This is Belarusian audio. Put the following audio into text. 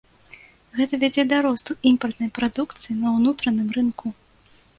Гэта вядзе да росту імпартнай прадукцыі на ўнутраным рынку.